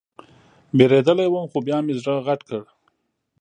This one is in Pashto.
وېرېدلى وم خو بيا مې زړه غټ کړ.